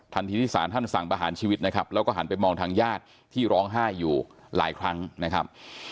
ที่สารท่านสั่งประหารชีวิตนะครับแล้วก็หันไปมองทางญาติที่ร้องไห้อยู่หลายครั้งนะครับ